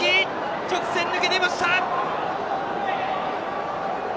直線、抜け出ました！